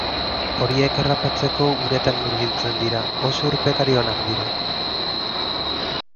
Horiek harrapatzeko uretan murgiltzen dira; oso urpekari onak dira.